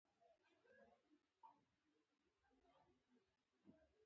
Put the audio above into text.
لمسی د پلار سندرې یادوي.